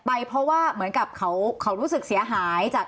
ไปเพราะว่าเหมือนกับเขารู้สึกเสียหายจาก